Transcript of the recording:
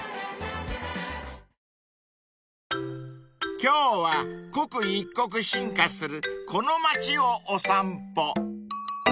［今日は刻一刻進化するこの町をお散歩］